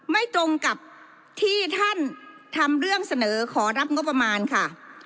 ไม่ตรงกับที่ท่านทำเรื่องเสนอขอรับงบประมาณค่ะ